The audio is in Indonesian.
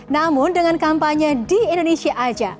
namun dengan kampanye di indonesia aja